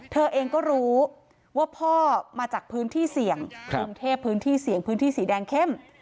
เธอเองก็รู้ว่าพ่อมาจากพื้นที่เสี่ยงกรุงเทพพื้นที่เสี่ยงพื้นที่สีแดงเข้ม